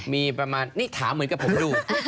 มีประมาณนี่ถามเหมือนกับผมดู